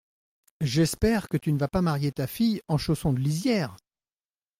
J’espère que tu ne vas pas marier ta fille en chaussons de lisière ?